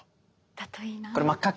だといいな。